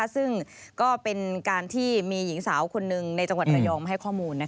ซึ่งก็เป็นการที่มีหญิงสาวคนหนึ่งในจังหวัดระยองมาให้ข้อมูล